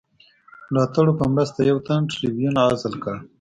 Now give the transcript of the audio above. ملاتړو په مرسته یو تن ټربیون عزل کړ.